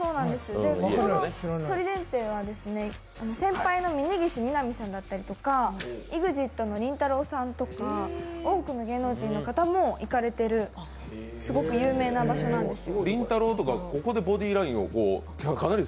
ここのソリデンテは先輩の峯岸みなみさんだったりとか、ＥＸＩＴのりんたろーさんと多くの芸能人の方も行かれている、すごく有名な場所なんですよ。